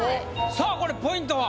さぁこれポイントは？